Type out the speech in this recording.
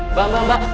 mbak mbak mbak